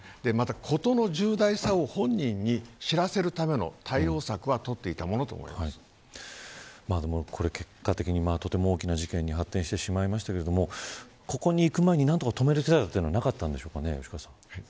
事の重大さを本人に知らせるための対応策は結果的に、とても大きな事件に発展してしまいましたけれどもここにいく前に何とか止める手だてはなかったんでしょうか。